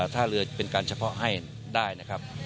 ท่าเรือเป็นการเฉพาะให้ได้นะครับ